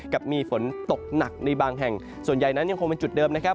กับมีฝนตกหนักในบางแห่งส่วนใหญ่นั้นยังคงเป็นจุดเดิมนะครับ